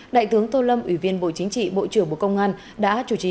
đại tướng tô lâm ủy viên bộ chính trị bộ trưởng bộ công an đã chủ trì